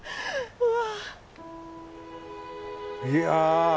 うわ。